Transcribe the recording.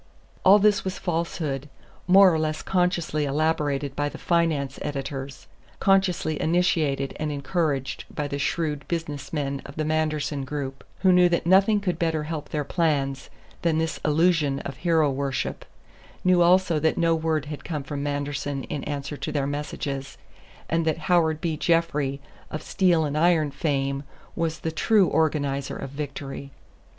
All this was falsehood, more or less consciously elaborated by the "finance editors," consciously initiated and encouraged by the shrewd business men of the Manderson group, who knew that nothing could better help their plans than this illusion of hero worship knew also that no word had come from Manderson in answer to their messages, and that Howard B. Jeffrey, of Steel and Iron fame, was the true organizer of victory.